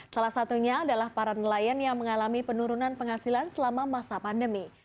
salah satunya adalah para nelayan yang mengalami penurunan penghasilan selama masa pandemi